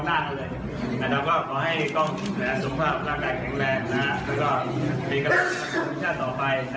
แล้วเราก็ขอให้กล้องสุขภาพร่างกายแข็งแรงแล้วก็มีกำลังสร้างวิทยาลัยต่อไป